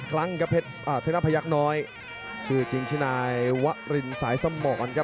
ข้างหน้าพยักษ์น้อยชื่อจิงชินายวะรินสายสมร